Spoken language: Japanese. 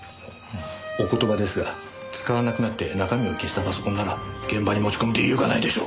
お言葉ですが使わなくなって中身を消したパソコンなら現場に持ち込む理由がないでしょう。